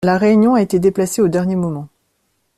La réunion a été déplacée au dernier moment.